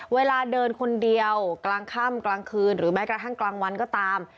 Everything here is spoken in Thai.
เวลาเดินคนเดียวกลางค่ำกลางคืนหรือแม้กระทั่งกลางวันก็ตาม